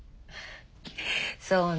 そうね。